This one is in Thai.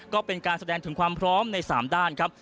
ก็เป็นการแสดงถึงความพร้อมใน๓ด้านครับ